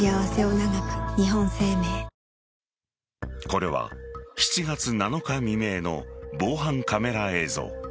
これは７月７日未明の防犯カメラ映像。